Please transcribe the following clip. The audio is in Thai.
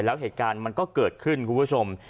แล้วเหตุการณ์มันก็เกิดขึ้นคุณผู้ชม